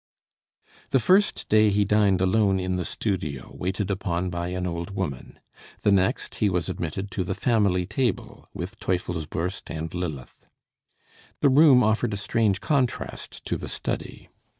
The first day he dined alone in the studio, waited upon by an old woman; the next he was admitted to the family table, with Teufelsbürst and Lilith. The room offered a strange contrast to the study.